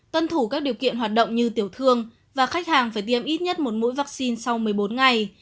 tuân thủ các điều kiện hoạt động như tiểu thương và khách hàng phải tiêm ít nhất một mũi vaccine sau một mươi bốn ngày